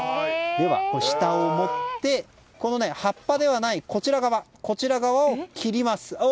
では下を持って葉っぱではないこちら側を切ります。